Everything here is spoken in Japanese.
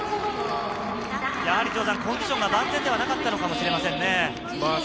やはりコンディションが万全ではなかったのかもしれませんね。